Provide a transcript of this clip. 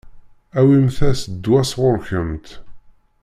Awimt-as-d ddwa sɣur-kemt.